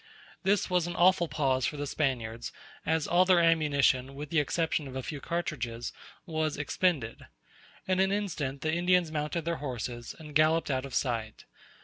This was an awful pause for the Spaniards, as all their ammunition, with the exception of a few cartridges, was expended. In an instant the Indians mounted their horses, and galloped out of sight.